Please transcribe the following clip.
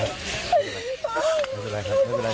มันไม่มีอะไร